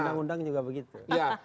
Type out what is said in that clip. undang undang juga begitu